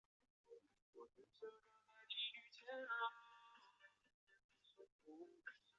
并将中东铁路卖给满洲国。